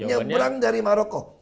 ada yang dari maroko